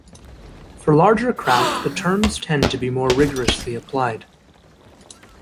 For larger craft the terms tend to be more rigorously applied.